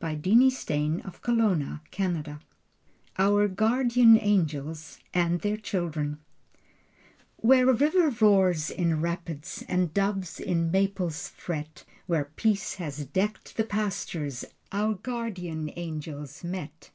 Fourth Section Tragedies, Comedies, and Dreams Our Guardian Angels and Their Children Where a river roars in rapids And doves in maples fret, Where peace has decked the pastures Our guardian angels met.